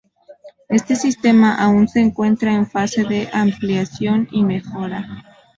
Este sistema aún se encuentra en fase de ampliación y mejora.